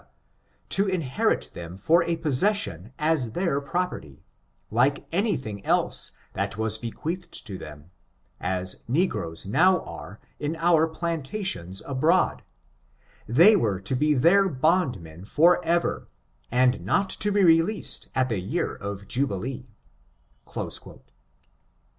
to inherit them for a possession as their property, like any thing else that was bequeathed to them, as negroes now are in our plantations abroad : they were to be their bond men for ever, and not to bo released at the year of Jubilee."